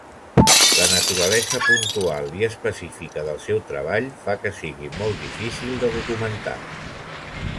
La naturalesa puntual i específica del seu treball fa que sigui molt difícil de documentar.